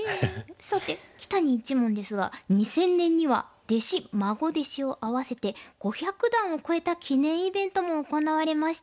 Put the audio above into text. さて木谷一門ですが２０００年には弟子孫弟子を合わせて５００段を超えた記念イベントも行われました。